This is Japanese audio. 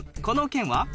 この県は？